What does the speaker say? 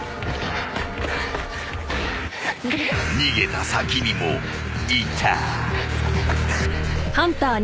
［逃げた先にもいた］